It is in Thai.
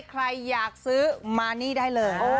ใครอยากซื้อมานี่ได้เลย